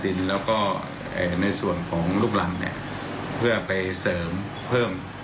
ดินแล้วก็ในส่วนของลูกรังเนี่ยเพื่อไปเสริมเพิ่ม